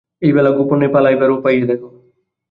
এই বেলা গোপনে পালাইবার উপায় দেখো।